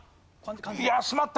いやあしまった！